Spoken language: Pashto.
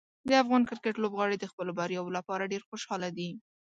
د افغان کرکټ لوبغاړي د خپلو بریاوو لپاره ډېر خوشحاله دي.